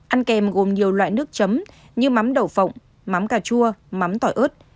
ăn kèm gồm nhiều loại nước chấm như mắm đầu phộng mắm cà chua mắm tỏi ớt